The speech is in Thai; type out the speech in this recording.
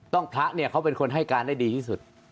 พระเนี่ยเขาเป็นคนให้การได้ดีที่สุด